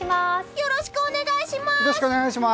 よろしくお願いします！